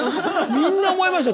みんな思いましたよ。